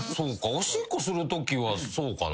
おしっこするときはそうかな。